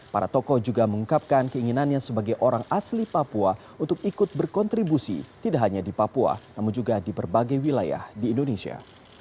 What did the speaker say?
para tokoh juga mengungkapkan keinginannya sebagai orang asli papua untuk ikut berkontribusi tidak hanya di papua namun juga di berbagai wilayah di indonesia